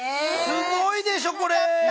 すごいでしょこれ。